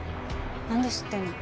なんで知ってんの？